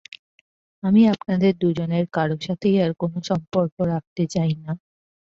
আমি আপনাদের দুজনের কারো সাথেই আর কোনো সম্পর্ক রাখতে চাই না।